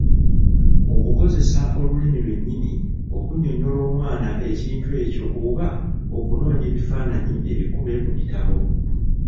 Okukozesa Olulimi lwennyini okunnyonnyola omwana ekintu ekyo oba okunoonya ebifaananyi ebikube mu bitabo.